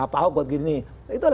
pak ahok buat gini